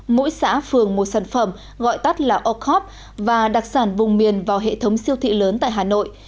mỗi xã phường một sản phẩm gọi tắt là ocob và đặc sản vùng miền vào hệ thống siêu thị lớn tại hà nội